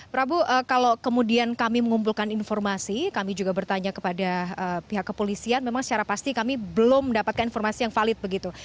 prabu kalau kemudian kami mengumpulkan informasi kami juga bertanya kepada pihak kepolisian memang secara pasti kami belum mendapatkan informasi yang valid begitu